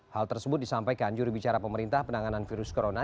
hal tersebut disampaikan juri bicara pemerintah penanganan virus corona